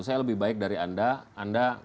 saya lebih baik dari anda anda